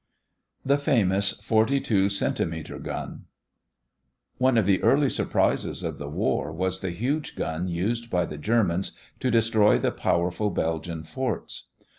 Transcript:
THE FAMOUS FORTY TWO CENTIMETER GUN One of the early surprises of the war was the huge gun used by the Germans to destroy the powerful Belgian forts.